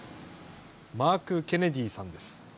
マーク・ケネディさんです。